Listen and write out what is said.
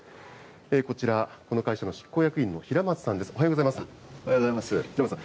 こちら、この会社の執行役員の平おはようございます。